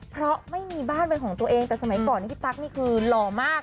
เพราะไม่มีบ้านเป็นของตัวเองแต่สมัยก่อนนี่พี่ตั๊กนี่คือหล่อมาก